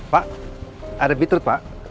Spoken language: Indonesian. pak ada beetroot pak